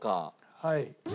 はい。